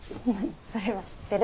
それは知ってる。